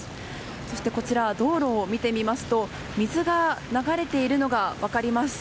そして、道路を見てみますと水が流れているのが分かります。